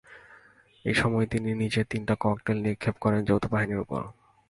এ সময় তিনি নিজে তিনটি ককটেল নিক্ষেপ করেন যৌথ বাহিনীর ওপর।